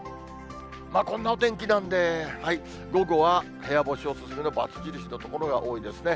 こんなお天気なんで、午後は部屋干しお勧めの×印の所が多いですね。